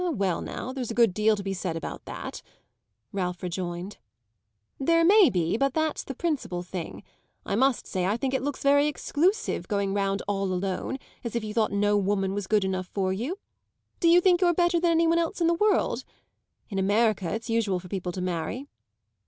"Ah, well now, there's a good deal to be said about that," Ralph rejoined. "There may be, but that's the principal thing. I must say I think it looks very exclusive, going round all alone, as if you thought no woman was good enough for you. Do you think you're better than any one else in the world? In America it's usual for people to marry."